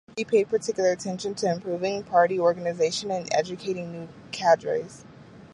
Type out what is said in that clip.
He paid particular attention to improving party organisation and educating new cadres.